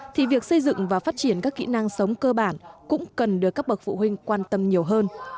thì việc xây dựng và phát triển các kỹ năng sống cơ bản cũng cần được các bậc phụ huynh quan tâm nhiều hơn